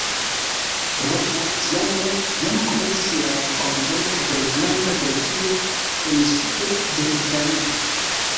Romo, tiame, jam komencis la konkeron de Granda Grekio en sudo de Italio.